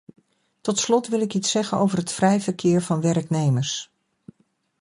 Tot slot wil ik iets zeggen over het vrij verkeer van werknemers.